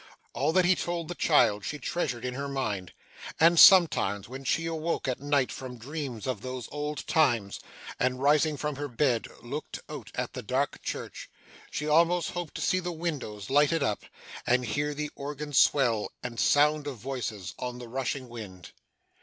All that he told the child she treasured in her mind; and sometimes, when she awoke at night from dreams of those old times, and rising from her bed looked out at the dark church, she almost hoped to see the windows lighted up, and hear the organ's swell, and sound of voices, on the rushing wind.